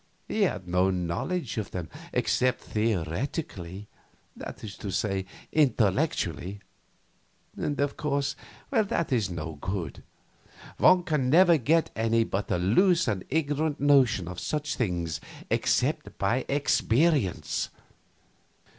He had no knowledge of them except theoretically that is to say, intellectually. And of course that is no good. One can never get any but a loose and ignorant notion of such things except by experience.